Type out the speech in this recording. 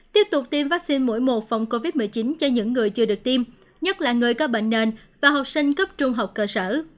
tiếp tục tiêm vaccine mũi một phòng covid một mươi chín cho những người chưa được tiêm nhất là người có bệnh nền và học sinh cấp trung học cơ sở